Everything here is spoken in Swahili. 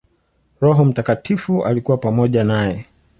Roho Mtakatifu alikuwa pamoja naye.